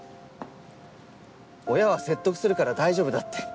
親は説得するから大丈夫だって。